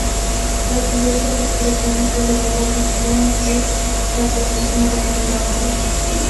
Las diversas expresiones de dolor acentúan el patetismo de esta obra.